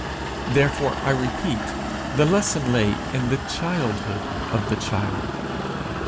Therefore, I repeat, the lesson lay in the childhood of the child.